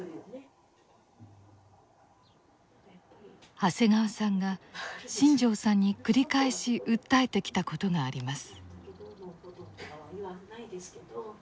長谷川さんが新城さんに繰り返し訴えてきたことがあります。